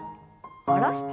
下ろして。